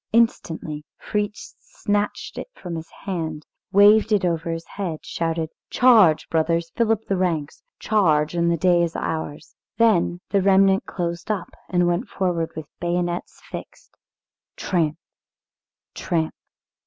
Instantly, Fritz snatched it from his hand, waved it over his head, shouted, "Charge, brothers, fill up the ranks! Charge, and the day is ours!" Then the remnant closed up and went forward with bayonets fixed, tramp, tramp.